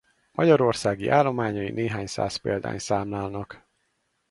Magyarországi állományai néhány száz példányt számlálnak.